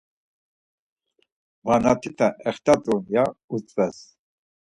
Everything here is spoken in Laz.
Varnatina extat̆u ya utzves.